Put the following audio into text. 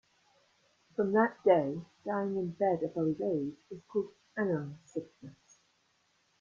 From that day, dying in bed of old age was called "Aun's sickness".